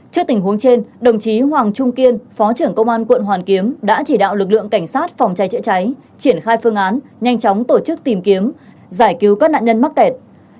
trước tình huống trên đồng chí hoàng trung kiên phó trưởng công an quận hoàn kiếm đã chỉ đạo lực lượng cảnh sát phòng cháy chữa cháy triển khai phương án nhanh chóng tổ chức tìm kiếm giải cứu các nạn nhân mắc kẹt